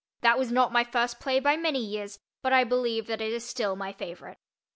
That was not my first play by many years, but I believe that it is still my favorite.